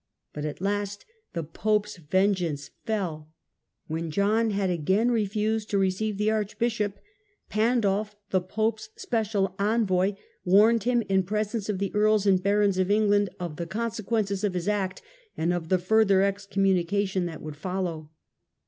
But at last the pope's ven geance fell When John had again refused to receive the archbishop, Pandulf, the pope's special envoy, warned him in presence of the earls and barons of England of the consequence of his act, and of the further excom munication that would follow.